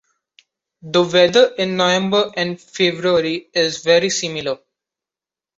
The weather in November and February is very similar.